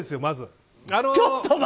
まず。